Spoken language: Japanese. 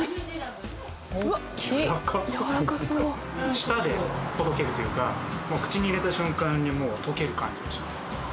舌でとろけるというかもう口に入れた瞬間にもう溶ける感じがします。